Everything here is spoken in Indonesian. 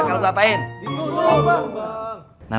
bakal gue apain di buluh bang